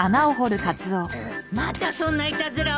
またそんないたずらをして！